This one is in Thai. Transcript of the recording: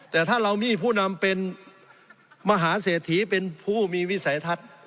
แต่ถ้าเรามีผู้นำเป็นมหาเศรษฐีเป็นผู้มีวิสัยทัศน์